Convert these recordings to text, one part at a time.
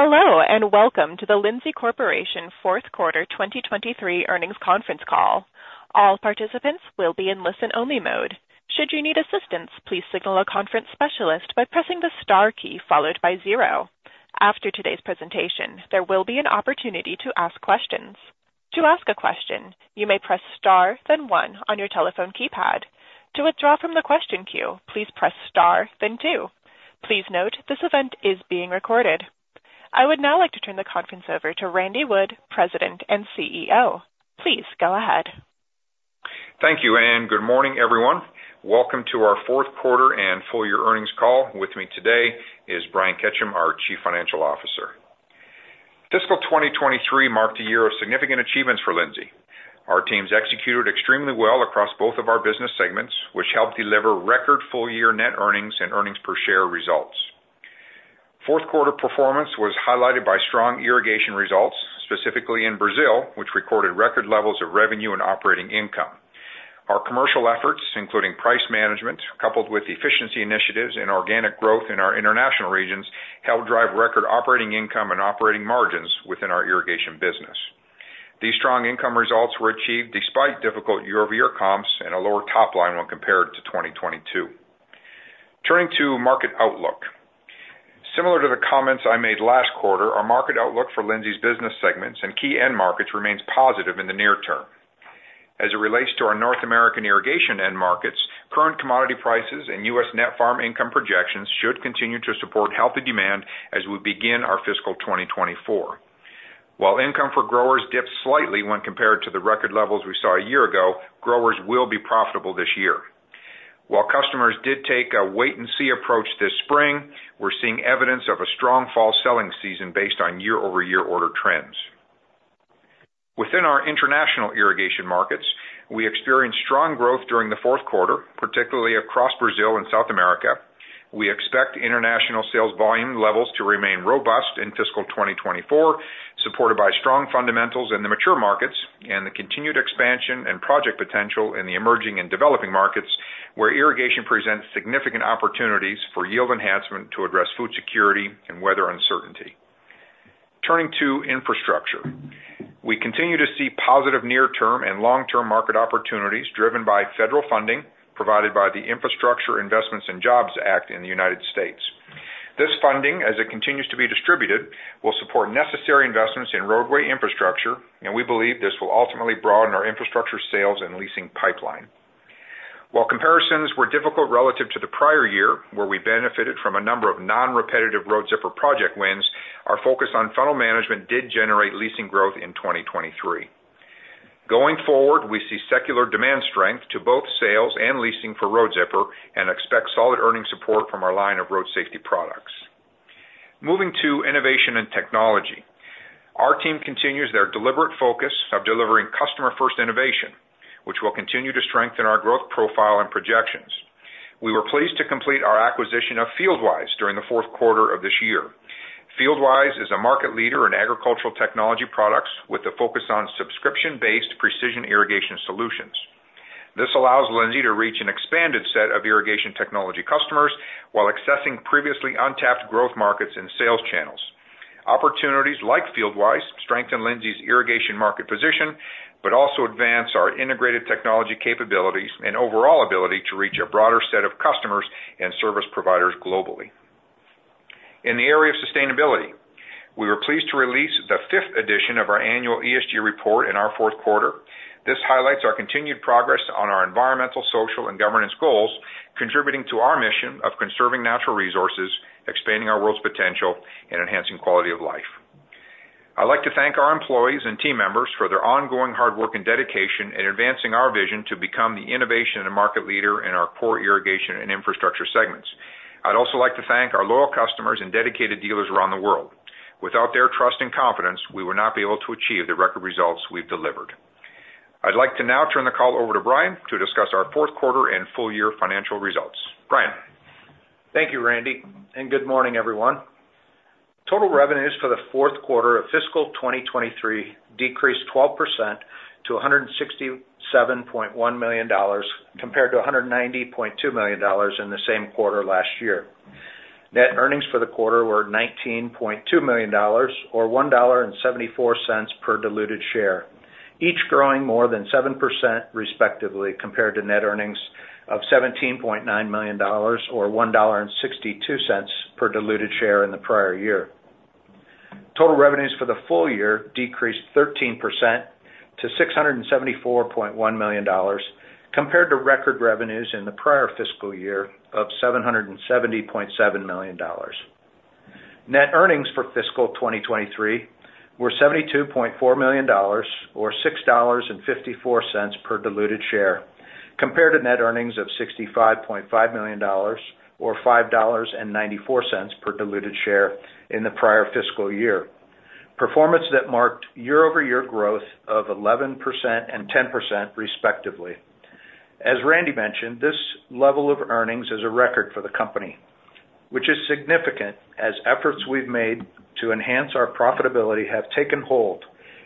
Hello, and welcome to the Lindsay Corporation Fourth Quarter 2023 Earnings Conference Call. All participants will be in listen-only mode. Should you need assistance, please signal a conference specialist by pressing the star key followed by zero. After today's presentation, there will be an opportunity to ask questions. To ask a question, you may press star, then one on your telephone keypad. To withdraw from the question queue, please press star then two. Please note, this event is being recorded. I would now like to turn the conference over to Randy Wood, President and CEO. Please go ahead. Thank you, and good morning, everyone. Welcome to our fourth quarter and full year earnings call. With me today is Brian Ketcham, our Chief Financial Officer. Fiscal 2023 marked a year of significant achievements for Lindsay. Our teams executed extremely well across both of our business segments, which helped deliver record full-year net earnings and earnings per share results. Fourth quarter performance was highlighted by strong irrigation results, specifically in Brazil, which recorded record levels of revenue and operating income. Our commercial efforts, including price management, coupled with efficiency initiatives and organic growth in our international regions, helped drive record operating income and operating margins within our irrigation business. These strong income results were achieved despite difficult year-over-year comps and a lower top line when compared to 2022. Turning to market outlook. Similar to the comments I made last quarter, our market outlook for Lindsay's business segments and key end markets remains positive in the near term. As it relates to our North American irrigation end markets, current commodity prices and U.S. net farm income projections should continue to support healthy demand as we begin our fiscal 2024. While income for growers dipped slightly when compared to the record levels we saw a year ago, growers will be profitable this year. While customers did take a wait-and-see approach this spring, we're seeing evidence of a strong fall selling season based on year-over-year order trends. Within our international irrigation markets, we experienced strong growth during the fourth quarter, particularly across Brazil and South America. We expect international sales volume levels to remain robust in fiscal 2024, supported by strong fundamentals in the mature markets and the continued expansion and project potential in the emerging and developing markets, where irrigation presents significant opportunities for yield enhancement to address food security and weather uncertainty. Turning to infrastructure. We continue to see positive near-term and long-term market opportunities driven by federal funding provided by the Infrastructure Investment and Jobs Act in the United States. This funding, as it continues to be distributed, will support necessary investments in roadway infrastructure, and we believe this will ultimately broaden our infrastructure sales and leasing pipeline. While comparisons were difficult relative to the prior year, where we benefited from a number of non-repetitive Road Zipper project wins, our focus on funnel management did generate leasing growth in 2023. Going forward, we see secular demand strength to both sales and leasing for Road Zipper and expect solid earning support from our line of road safety products. Moving to innovation and technology. Our team continues their deliberate focus of delivering customer-first innovation, which will continue to strengthen our growth profile and projections. We were pleased to complete our acquisition of FieldWise during the fourth quarter of this year. FieldWise is a market leader in agricultural technology products with a focus on subscription-based precision irrigation solutions. This allows Lindsay to reach an expanded set of irrigation technology customers while accessing previously untapped growth markets and sales channels. Opportunities like FieldWise strengthen Lindsay's irrigation market position, but also advance our integrated technology capabilities and overall ability to reach a broader set of customers and service providers globally. In the area of sustainability, we were pleased to release the fifth edition of our annual ESG report in our fourth quarter. This highlights our continued progress on our environmental, social, and governance goals, contributing to our mission of conserving natural resources, expanding our world's potential, and enhancing quality of life. I'd like to thank our employees and team members for their ongoing hard work and dedication in advancing our vision to become the innovation and market leader in our core irrigation and infrastructure segments. I'd also like to thank our loyal customers and dedicated dealers around the world. Without their trust and confidence, we would not be able to achieve the record results we've delivered. I'd like to now turn the call over to Brian to discuss our fourth quarter and full-year financial results. Brian? Thank you, Randy, and good morning, everyone. Total revenues for the fourth quarter of fiscal 2023 decreased 12% to $167.1 million, compared to $190.2 million in the same quarter last year. Net earnings for the quarter were $19.2 million, or $1.74 per diluted share, each growing more than 7%, respectively, compared to net earnings of $17.9 million or $1.62 per diluted share in the prior year. Total revenues for the full year decreased 13% to $674.1 million, compared to record revenues in the prior fiscal year of $770.7 million. Net earnings for fiscal 2023 were $72.4 million or $6.54 per diluted share, compared to net earnings of $65.5 million or $5.94 per diluted share in the prior fiscal year. Performance that marked year-over-year growth of 11% and 10%, respectively. As Randy mentioned, this level of earnings is a record for the company, which is significant as efforts we've made to enhance our profitability have taken hold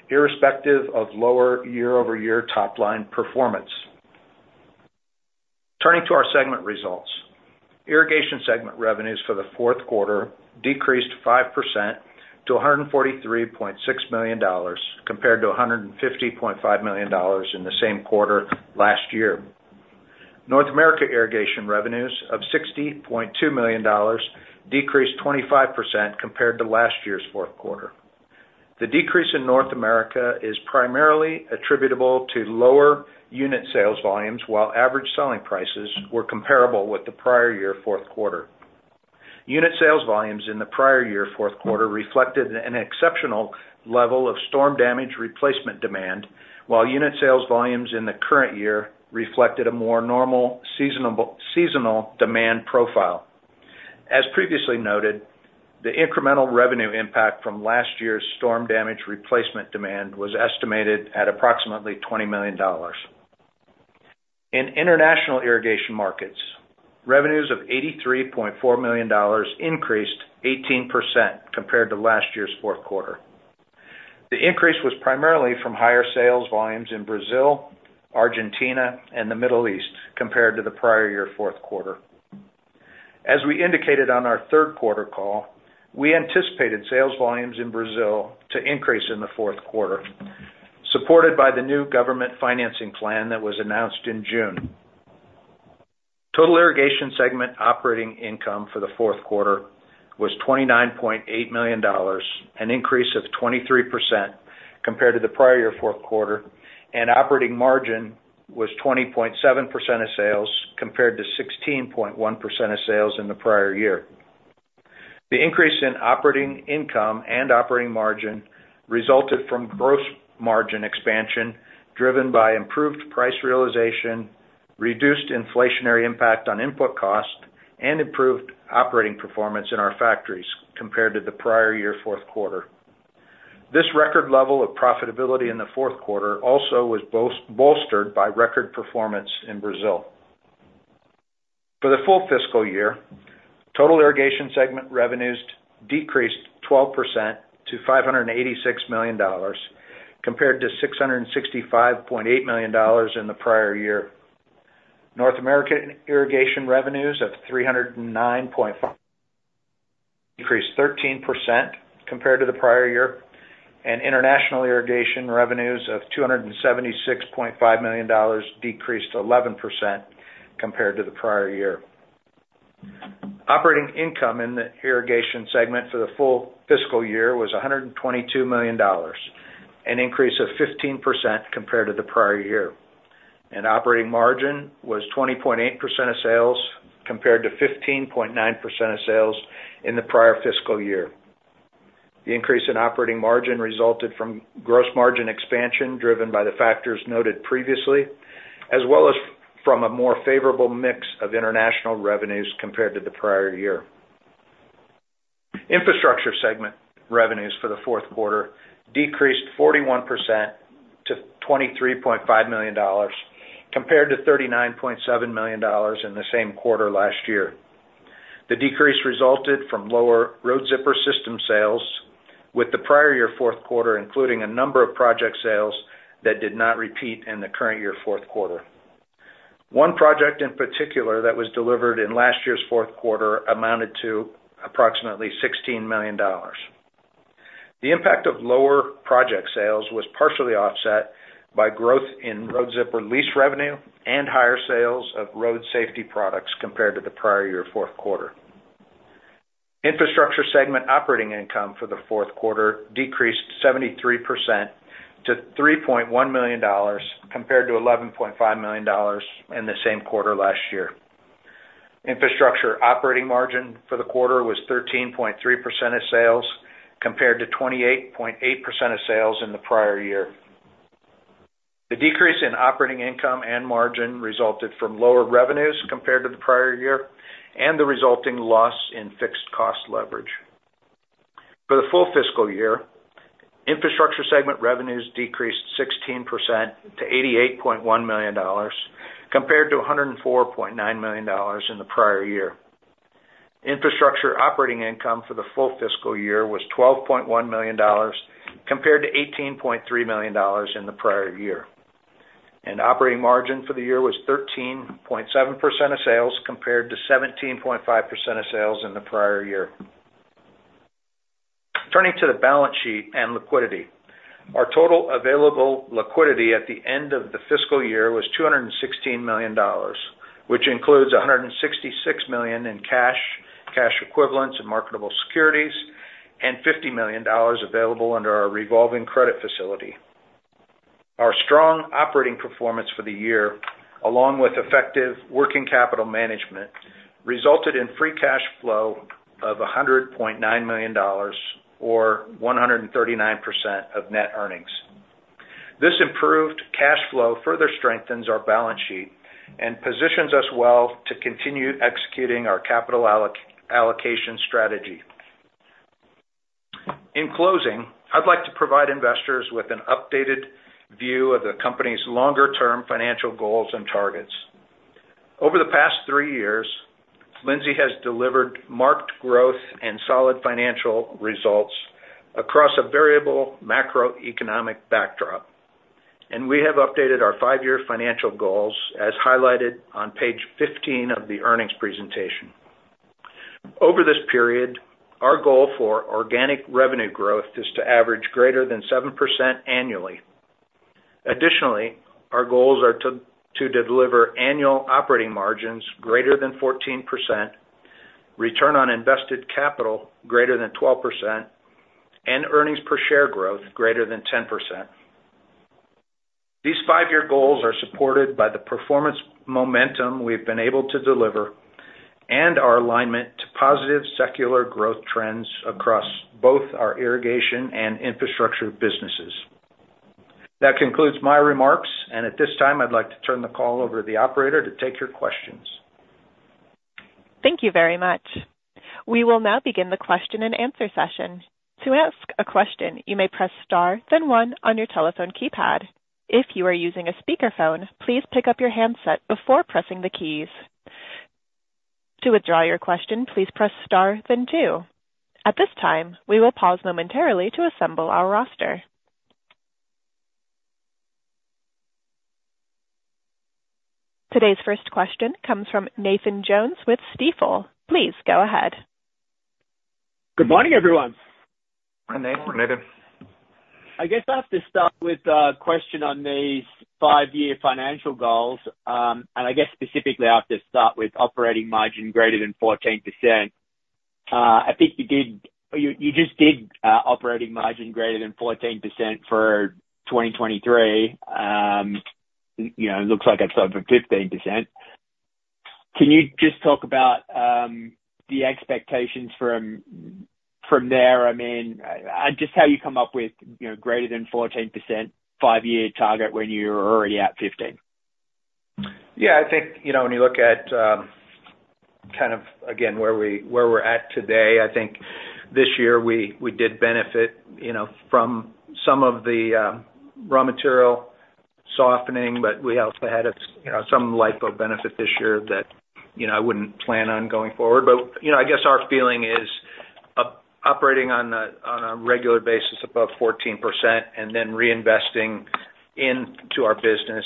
irrespective of lower year-over-year top-line performance. Turning to our segment results. Irrigation segment revenues for the fourth quarter decreased 5% to $143.6 million, compared to $150.5 million in the same quarter last year. North America irrigation revenues of $60.2 million decreased 25% compared to last year's fourth quarter. The decrease in North America is primarily attributable to lower unit sales volumes, while average selling prices were comparable with the prior year fourth quarter. Unit sales volumes in the prior year fourth quarter reflected an exceptional level of storm damage replacement demand, while unit sales volumes in the current year reflected a more normal seasonal demand profile. As previously noted, the incremental revenue impact from last year's storm damage replacement demand was estimated at approximately $20 million. In international irrigation markets, revenues of $83.4 million increased 18% compared to last year's fourth quarter. The increase was primarily from higher sales volumes in Brazil, Argentina, and the Middle East compared to the prior year fourth quarter. As we indicated on our third quarter call, we anticipated sales volumes in Brazil to increase in the fourth quarter, supported by the new government financing plan that was announced in June. Total irrigation segment operating income for the fourth quarter was $29.8 million, an increase of 23% compared to the prior year fourth quarter, and operating margin was 20.7% of sales, compared to 16.1% of sales in the prior year. The increase in operating income and operating margin resulted from gross margin expansion, driven by improved price realization, reduced inflationary impact on input costs, and improved operating performance in our factories compared to the prior year fourth quarter. This record level of profitability in the fourth quarter also was bolstered by record performance in Brazil. For the full fiscal year, total irrigation segment revenues decreased 12% to $586 million, compared to $665.8 million in the prior year. North American irrigation revenues of $309.5 million increased 13% compared to the prior year, and international irrigation revenues of $276.5 million decreased 11% compared to the prior year. Operating income in the irrigation segment for the full fiscal year was $122 million, an increase of 15% compared to the prior year. Operating margin was 20.8% of sales, compared to 15.9% of sales in the prior fiscal year. The increase in operating margin resulted from gross margin expansion, driven by the factors noted previously, as well as from a more favorable mix of international revenues compared to the prior year. Infrastructure segment revenues for the fourth quarter decreased 41% to $23.5 million, compared to $39.7 million in the same quarter last year. The decrease resulted from lower Road Zipper System sales, with the prior year fourth quarter, including a number of project sales that did not repeat in the current year fourth quarter. One project in particular, that was delivered in last year's fourth quarter, amounted to approximately $16 million. The impact of lower project sales was partially offset by growth in Road Zipper lease revenue and higher sales of Road Safety Products compared to the prior year fourth quarter. Infrastructure segment operating income for the fourth quarter decreased 73% to $3.1 million, compared to $11.5 million in the same quarter last year. Infrastructure operating margin for the quarter was 13.3% of sales, compared to 28.8% of sales in the prior year. The decrease in operating income and margin resulted from lower revenues compared to the prior year and the resulting loss in fixed cost leverage. For the full fiscal year, infrastructure segment revenues decreased 16% to $88.1 million, compared to $104.9 million in the prior year. Infrastructure operating income for the full fiscal year was $12.1 million, compared to $18.3 million in the prior year. Operating margin for the year was 13.7% of sales, compared to 17.5% of sales in the prior year. Turning to the balance sheet and liquidity, our total available liquidity at the end of the fiscal year was $216 million, which includes $166 million in cash, cash equivalents, and marketable securities, and $50 million available under our revolving credit facility. Our strong operating performance for the year, along with effective working capital management, resulted in free cash flow of $100.9 million or 139% of net earnings. This improved cash flow further strengthens our balance sheet and positions us well to continue executing our capital allocation strategy. In closing, I'd like to provide investors with an updated view of the company's longer-term financial goals and targets. Over the past three years, Lindsay has delivered marked growth and solid financial results across a variable macroeconomic backdrop, and we have updated our five-year financial goals, as highlighted on page 15 of the earnings presentation. Over this period, our goal for organic revenue growth is to average greater than 7% annually. Additionally, our goals are to deliver annual operating margins greater than 14%, return on invested capital greater than 12%, and earnings per share growth greater than 10%. These five-year goals are supported by the performance momentum we've been able to deliver and our alignment to positive secular growth trends across both our irrigation and infrastructure businesses. That concludes my remarks, and at this time, I'd like to turn the call over to the operator to take your questions. Thank you very much. We will now begin the question-and-answer session. To ask a question, you may press star, then one on your telephone keypad. If you are using a speakerphone, please pick up your handset before pressing the keys. To withdraw your question, please press star then two. At this time, we will pause momentarily to assemble our roster. Today's first question comes from Nathan Jones with Stifel. Please go ahead. Good morning, everyone. Good morning, Nathan. I guess I have to start with a question on these five-year financial goals. And I guess specifically, I have to start with operating margin greater than 14%. I think you just did operating margin greater than 14% for 2023. You know, it looks like it's up from 15%. Can you just talk about the expectations from there? I mean, just how you come up with greater than 14% five-year target when you're already at 15%. Yeah, I think, you know, when you look at, kind of, again, where we, where we're at today, I think this year we, we did benefit, you know, from some of the, raw material softening, but we also had a, you know, some LIFO benefit this year that, you know, I wouldn't plan on going forward. But, you know, I guess our feeling is operating on a, on a regular basis above 14% and then reinvesting into our business,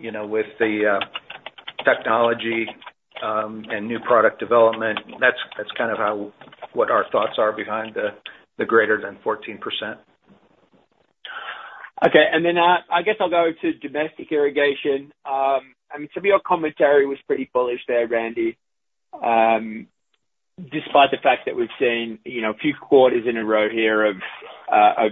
you know, with the, technology, and new product development, that's, that's kind of how, what our thoughts are behind the, the greater than 14%. Okay. And then I guess I'll go to domestic irrigation. I mean, some of your commentary was pretty bullish there, Randy. Despite the fact that we've seen, you know, a few quarters in a row here of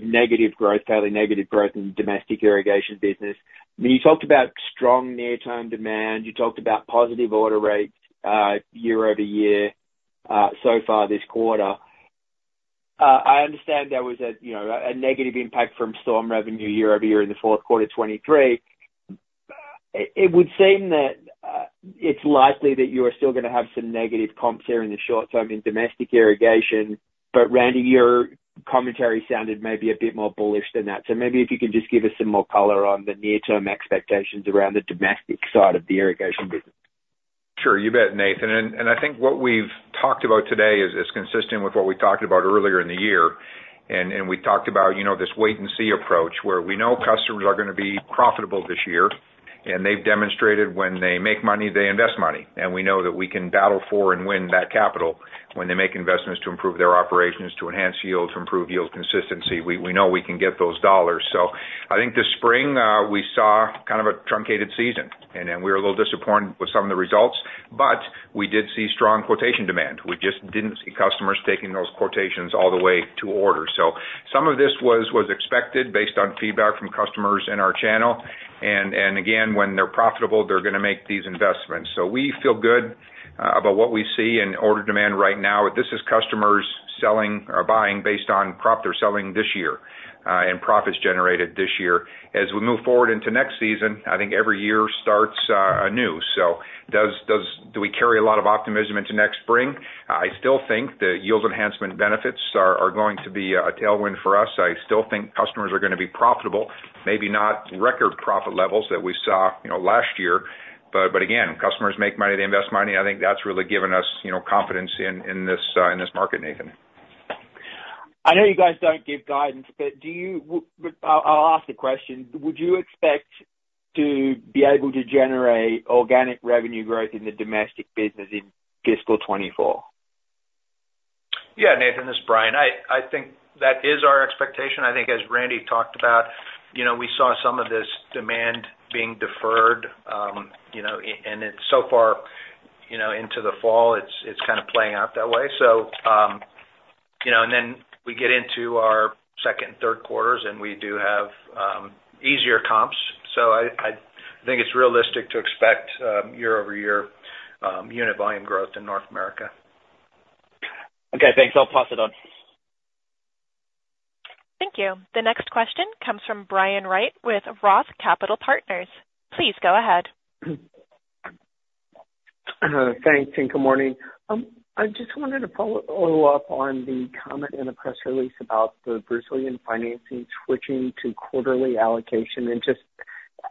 negative growth, fairly negative growth in domestic irrigation business. When you talked about strong near-term demand, you talked about positive order rates, year-over-year, so far this quarter. I understand there was a, you know, a negative impact from storm revenue year-over-year in the fourth quarter of 2023. It would seem that it's likely that you are still gonna have some negative comps here in the short term in domestic irrigation. But Randy, your commentary sounded maybe a bit more bullish than that. Maybe if you could just give us some more color on the near-term expectations around the domestic side of the irrigation business? Sure. You bet, Nathan. And I think what we've talked about today is consistent with what we talked about earlier in the year. And we talked about, you know, this wait-and-see approach, where we know customers are gonna be profitable this year, and they've demonstrated when they make money, they invest money. And we know that we can battle for and win that capital when they make investments to improve their operations, to enhance yield, to improve yield consistency. We know we can get those dollars. So I think this spring, we saw kind of a truncated season, and then we were a little disappointed with some of the results, but we did see strong quotation demand. We just didn't see customers taking those quotations all the way to order. So some of this was expected based on feedback from customers in our channel, and again, when they're profitable, they're gonna make these investments. So we feel good about what we see in order demand right now. This is customers selling or buying based on crop they're selling this year and profits generated this year. As we move forward into next season, I think every year starts anew. So do we carry a lot of optimism into next spring? I still think the yield enhancement benefits are going to be a tailwind for us. I still think customers are gonna be profitable, maybe not record profit levels that we saw, you know, last year, but again, customers make money, they invest money. I think that's really given us, you know, confidence in this market, Nathan. I know you guys don't give guidance, but I'll ask the question. Would you expect to be able to generate organic revenue growth in the domestic business in fiscal 2024? Yeah, Nathan, this is Brian. I think that is our expectation. I think as Randy talked about, you know, we saw some of this demand being deferred, you know, and it's so far, you know, into the fall, it's kind of playing out that way. So, you know, and then we get into our second and third quarters, and we do have easier comps. So I think it's realistic to expect year-over-year unit volume growth in North America. Okay, thanks. I'll pass it on. Thank you. The next question comes from Brian Wright with Roth Capital Partners. Please go ahead. Thanks, and good morning. I just wanted to follow up on the comment in the press release about the Brazilian financing switching to quarterly allocation, and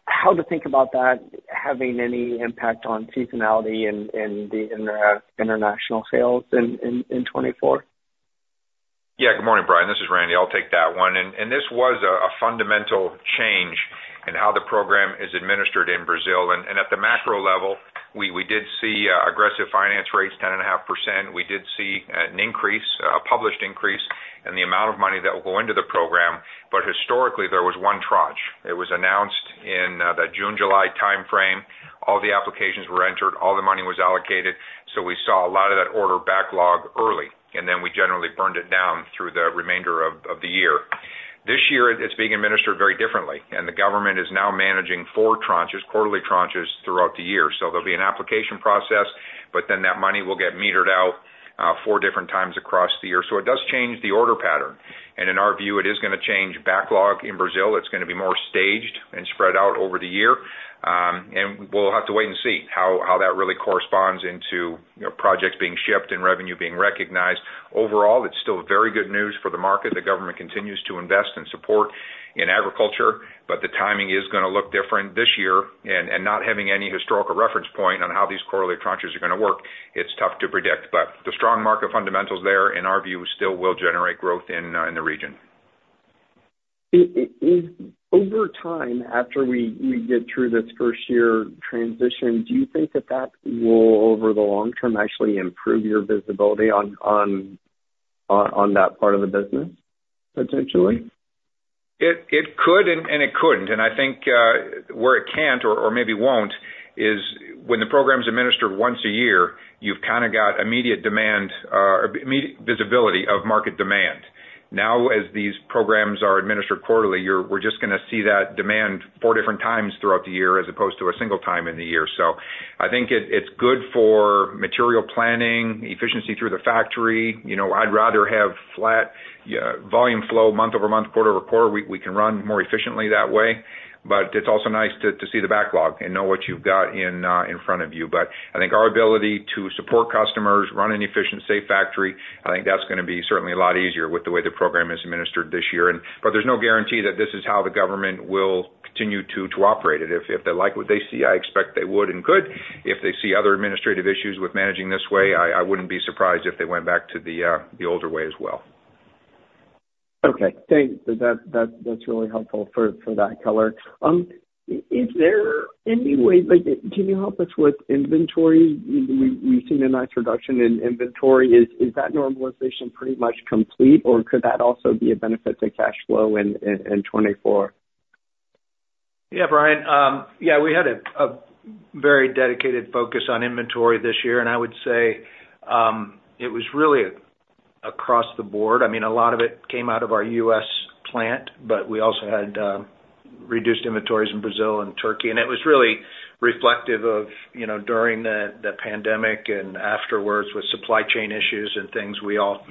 how to think about that having any impact on seasonality in the international sales in 2024? Yeah. Good morning, Brian, this is Randy. I'll take that one. And this was a fundamental change in how the program is administered in Brazil. And at the macro level, we did see aggressive finance rates, 10.5%. We did see an increase, a published increase in the amount of money that will go into the program. But historically, there was one tranche. It was announced in the June/July timeframe. All the applications were entered, all the money was allocated, so we saw a lot of that order backlog early, and then we generally burned it down through the remainder of the year. This year, it's being administered very differently, and the government is now managing four tranches, quarterly tranches, throughout the year. So there'll be an application process, but then that money will get metered out four different times across the year. So it does change the order pattern, and in our view, it is gonna change backlog in Brazil. It's gonna be more staged and spread out over the year. And we'll have to wait and see how that really corresponds into, you know, projects being shipped and revenue being recognized. Overall, it's still very good news for the market. The government continues to invest and support in agriculture, but the timing is gonna look different this year. And not having any historical reference point on how these quarterly tranches are gonna work, it's tough to predict. But the strong market fundamentals there, in our view, still will generate growth in the region. Over time, after we get through this first-year transition, do you think that will, over the long term, actually improve your visibility on that part of the business, potentially? It could and it couldn't. I think where it can't or maybe won't is when the program's administered once a year, you've kind of got immediate demand, immediate visibility of market demand. Now, as these programs are administered quarterly, you're, we're just gonna see that demand four different times throughout the year, as opposed to a single time in the year. So I think it's good for material planning, efficiency through the factory. You know, I'd rather have flat volume flow month-over-month, quarter-over-quarter. We can run more efficiently that way. But it's also nice to see the backlog and know what you've got in front of you. But I think our ability to support customers, run an efficient, safe factory. I think that's gonna be certainly a lot easier with the way the program is administered this year. But there's no guarantee that this is how the government will continue to operate it. If they like what they see, I expect they would and could. If they see other administrative issues with managing this way, I wouldn't be surprised if they went back to the older way as well. Okay, thanks. That's really helpful for that color. Is there any way, like, can you help us with inventory? We've seen a nice reduction in inventory. Is that normalization pretty much complete, or could that also be a benefit to cash flow in 2024? Yeah, Brian. Yeah, we had a very dedicated focus on inventory this year, and I would say, it was really across the board. I mean, a lot of it came out of our U.S. plant, but we also had reduced inventories in Brazil and Turkey. And it was really reflective of, you know, during the pandemic and afterwards, with supply chain issues and things, we all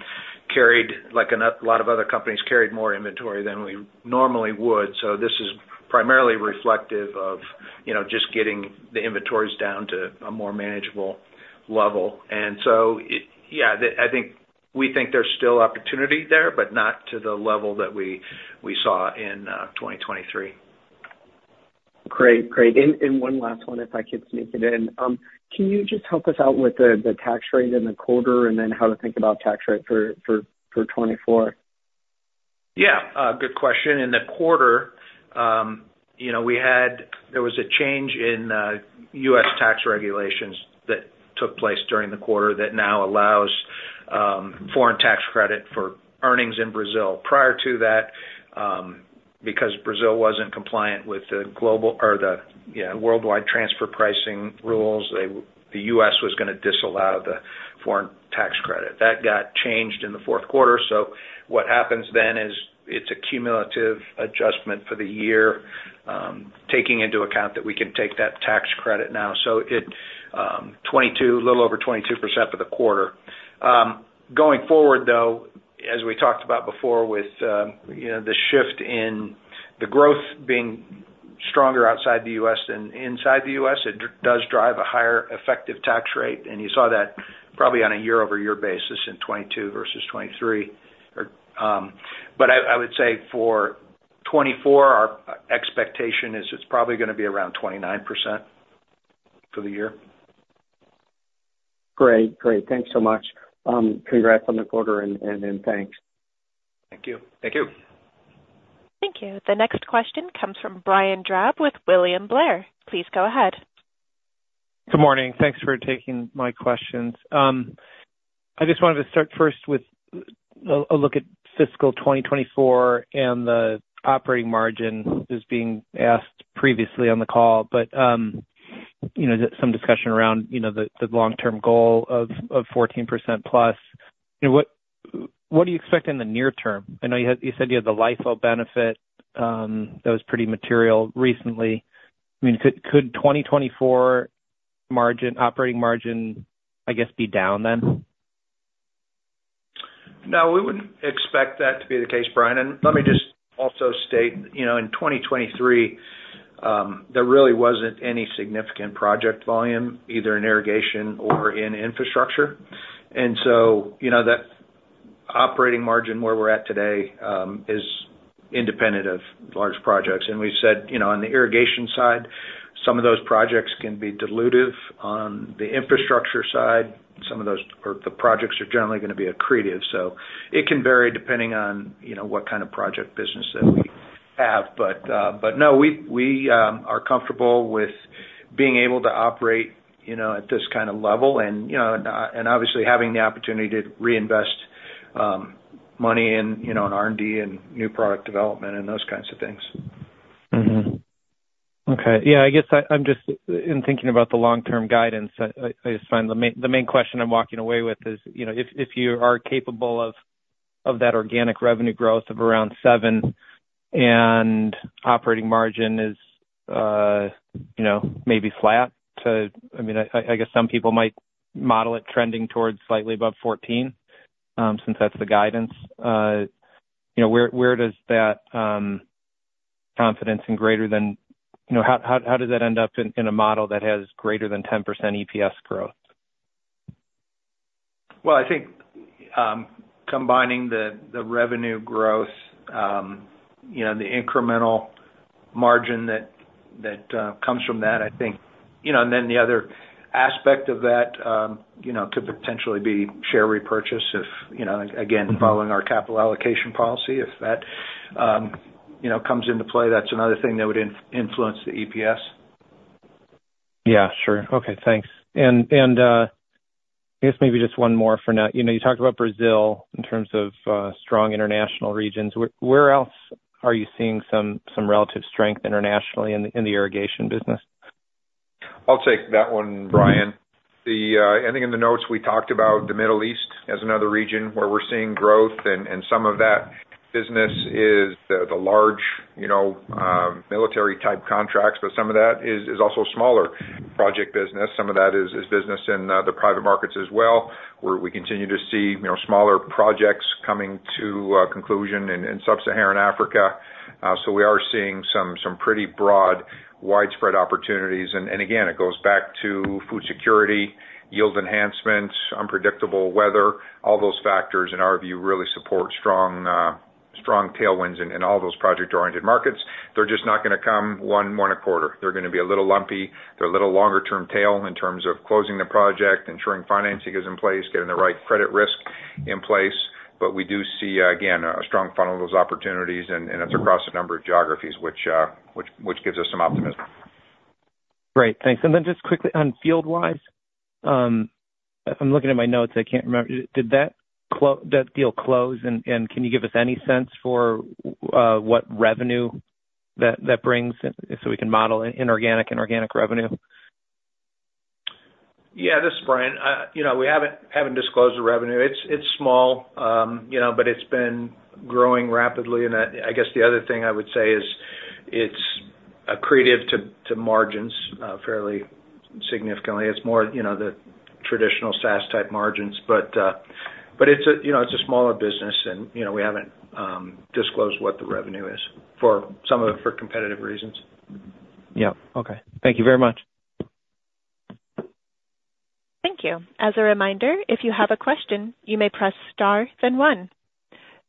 carried, like a lot of other companies, carried more inventory than we normally would. So this is primarily reflective of, you know, just getting the inventories down to a more manageable level. And so yeah, I think, we think there's still opportunity there, but not to the level that we saw in 2023. Great. Great. And one last one, if I could sneak it in. Can you just help us out with the tax rate in the quarter, and then how to think about tax rate for 2024? Yeah, good question. In the quarter, you know, there was a change in U.S. tax regulations that took place during the quarter that now allows foreign tax credit for earnings in Brazil. Prior to that, because Brazil wasn't compliant with the global or the, you know, worldwide transfer pricing rules, the U.S. was gonna disallow the foreign tax credit. That got changed in the fourth quarter. So what happens then is it's a cumulative adjustment for the year, taking into account that we can take that tax credit now. So it, 22, a little over 22% for the quarter. Going forward, though, as we talked about before, with, you know, the shift in the growth being stronger outside the U.S. than inside the U.S., it does drive a higher effective tax rate, and you saw that probably on a year-over-year basis in 2022 versus 2023. Or, but I would say for 2024, our expectation is it's probably gonna be around 29% for the year. Great. Great. Thanks so much. Congrats on the quarter and thanks. Thank you. Thank you. Thank you. The next question comes from Brian Drab with William Blair. Please go ahead. Good morning. Thanks for taking my questions. I just wanted to start first with a look at fiscal 2024 and the operating margin. This being asked previously on the call, but, you know, just some discussion around, you know, the long-term goal of +14%. You know, what do you expect in the near term? I know you had, you said you had the LIFO benefit, that was pretty material recently. I mean, could 2024 margin, operating margin, I guess, be down then? No, we wouldn't expect that to be the case, Brian. And let me just also state, you know, in 2023, there really wasn't any significant project volume, either in irrigation or in infrastructure. And so, you know, operating margin where we're at today is independent of large projects. And we said, you know, on the irrigation side, some of those projects can be dilutive. On the infrastructure side, some of those or the projects are generally gonna be accretive. So it can vary depending on, you know, what kind of project business that we have. But no, we are comfortable with being able to operate, you know, at this kind of level and, you know, and obviously having the opportunity to reinvest money in, you know, in R&D and new product development and those kinds of things. Mm-hmm. Okay. Yeah, I guess I'm just in thinking about the long-term guidance, I just find the main question I'm walking away with is, you know, if you are capable of that organic revenue growth of around seven and operating margin is, you know, maybe flat to. I mean, I guess some people might model it trending towards slightly above 14, since that's the guidance. You know, where does that confidence in greater than. You know, how does that end up in a model that has greater than 10% EPS growth? Well, I think, combining the revenue growth, you know, the incremental margin that comes from that, I think. You know, and then the other aspect of that, you know, could potentially be share repurchase if, you know, again, following our capital allocation policy. If that, you know, comes into play, that's another thing that would influence the EPS. Yeah, sure. Okay, thanks. And I guess maybe just one more for now. You know, you talked about Brazil in terms of strong international regions. Where else are you seeing some relative strength internationally in the irrigation business? I'll take that one, Brian. The, I think in the notes we talked about the Middle East as another region where we're seeing growth, and, and some of that business is the, the large, you know, military-type contracts, but some of that is, is also smaller project business. Some of that is, is business in, the private markets as well, where we continue to see, you know, smaller projects coming to, conclusion in, in sub-Saharan Africa. So we are seeing some, some pretty broad, widespread opportunities. And, and again, it goes back to food security, yield enhancements, unpredictable weather. All those factors, in our view, really support strong, strong tailwinds in, in all those project-oriented markets. They're just not gonna come one, one a quarter. They're gonna be a little lumpy. They're a little longer term tail in terms of closing the project, ensuring financing is in place, getting the right credit risk in place. But we do see, again, a strong funnel of those opportunities, and it's across a number of geographies, which gives us some optimism. Great, thanks. And then just quickly on FieldWise. If I'm looking at my notes, I can't remember. Did that deal close, and can you give us any sense for what revenue that brings so we can model inorganic and organic revenue? Yeah, this is Brian. You know, we haven't disclosed the revenue. It's small, you know, but it's been growing rapidly. And I guess the other thing I would say is, it's accretive to margins, fairly significantly. It's more, you know, the traditional SaaS-type margins, but it's a, you know, it's a smaller business, and, you know, we haven't disclosed what the revenue is for some of it, for competitive reasons. Yeah. Okay. Thank you very much. Thank you. As a reminder, if you have a question, you may press star, then one.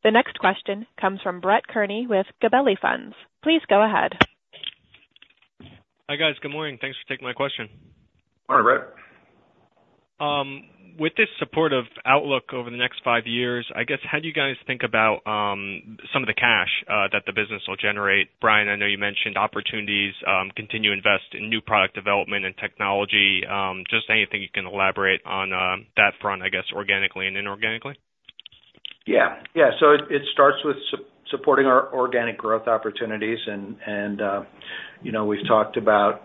The next question comes from Brett Kearney with Gabelli Funds. Please go ahead. Hi, guys. Good morning. Thanks for taking my question. Hi, Brett. With this supportive outlook over the next five years, I guess, how do you guys think about some of the cash that the business will generate? Brian, I know you mentioned opportunities continue to invest in new product development and technology. Just anything you can elaborate on that front, I guess, organically and inorganically? Yeah. Yeah. So it starts with supporting our organic growth opportunities. And, you know, we've talked about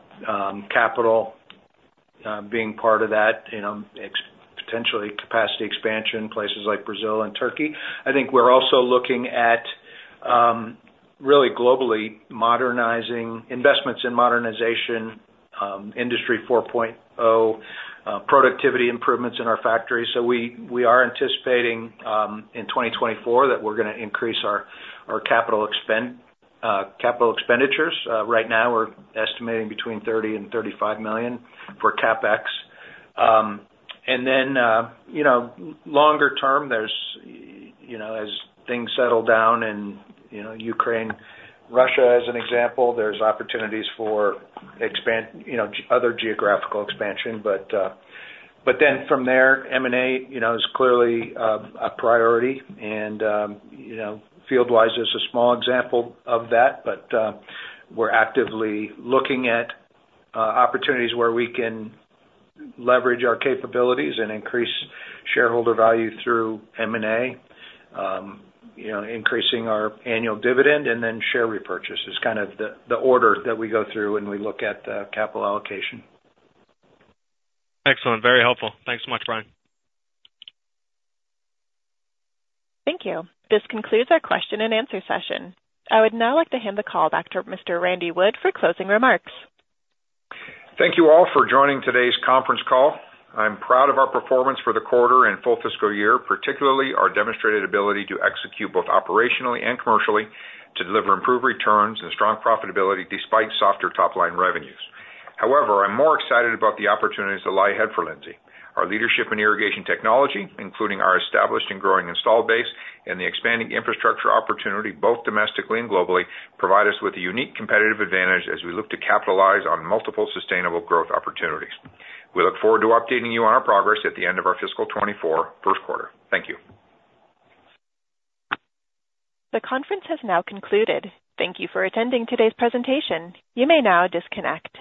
capital being part of that, you know, potentially capacity expansion in places like Brazil and Turkey. I think we're also looking at really globally modernizing investments in modernization, Industry 4.0, productivity improvements in our factory. So we are anticipating in 2024 that we're gonna increase our capital expenditures. Right now, we're estimating between $30 million and $35 million for CapEx. And then, you know, longer term, there's, you know, as things settle down in, you know, Ukraine, Russia, as an example, there's opportunities for, you know, other geographical expansion. But then from there, M&A, you know, is clearly a priority. You know, FieldWise is a small example of that, but we're actively looking at opportunities where we can leverage our capabilities and increase shareholder value through M&A. You know, increasing our annual dividend and then share repurchase is kind of the order that we go through when we look at the capital allocation. Excellent. Very helpful. Thanks so much, Brian. Thank you. This concludes our question and answer session. I would now like to hand the call back to Mr. Randy Wood for closing remarks. Thank you all for joining today's conference call. I'm proud of our performance for the quarter and full fiscal year, particularly our demonstrated ability to execute both operationally and commercially, to deliver improved returns and strong profitability despite softer top-line revenues. However, I'm more excited about the opportunities that lie ahead for Lindsay. Our leadership in irrigation technology, including our established and growing installed base and the expanding infrastructure opportunity, both domestically and globally, provide us with a unique competitive advantage as we look to capitalize on multiple sustainable growth opportunities. We look forward to updating you on our progress at the end of our fiscal 2024 first quarter. Thank you. The conference has now concluded. Thank you for attending today's presentation. You may now disconnect.